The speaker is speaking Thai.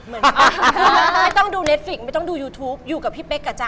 ไม่ต้องดูเนฟิกไม่ต้องดูยูทูปอยู่กับพี่เป๊กอ่ะจ๊